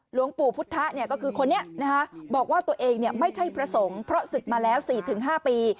หลวงปู่พุทธะก็คือคนนี้บอกว่าตัวเองไม่ใช่พระสงฆ์เพราะศึกมาแล้ว๔๕ปี